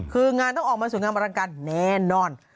คืองานต้องออกมาสวยงามอลังการแน่นอน